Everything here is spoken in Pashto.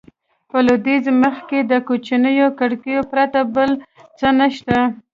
په لوېدیځ مخ کې د کوچنیو کړکیو پرته بل څه نه شته.